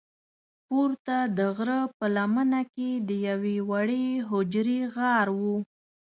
پورته د غره په لمنه کې د یوې وړې حجرې غار و.